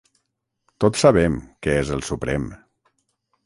Tots sabem què és el suprem.